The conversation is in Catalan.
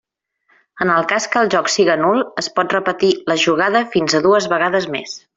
En el cas que el joc siga nul, es pot repetir la jugada fins a dues vegades més.